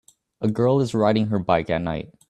A girl is riding her bike at night